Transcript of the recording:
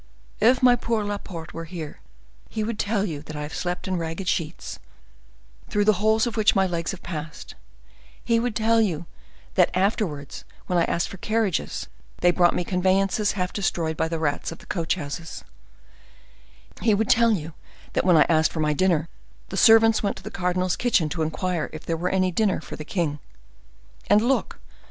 If my poor Laporte were here, he would tell you that I have slept in ragged sheets, through the holes of which my legs have passed; he would tell you that afterwards, when I asked for carriages, they brought me conveyances half destroyed by the rats of the coach houses; he would tell you that when I asked for my dinner, the servants went to the cardinal's kitchen to inquire if there were any dinner for the king. And look!